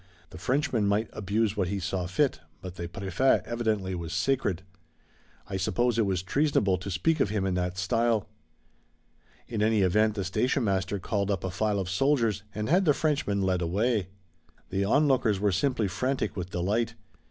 The Frenchman might abuse what he saw fit, but the Préfet evidently was sacred. I suppose it was treasonable to speak of him in that style. In any event, the station master called up a file of soldiers and had the Frenchman led away. The on lookers were simply frantic with delight.